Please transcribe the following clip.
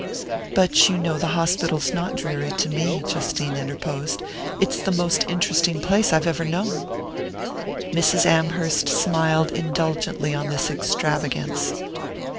"But you know the hospital's not dreary to me," Justine interposed; "it's the most interesting place I've ever known." Mrs. Amherst smiled indulgently on this extravagance.